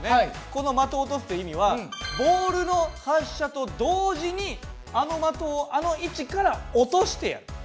この「的を落とす」という意味はボールの発射と同時にあの的をあの位置から落としてやる。